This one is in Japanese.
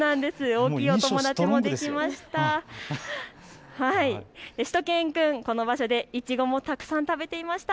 大きいお友達もできました。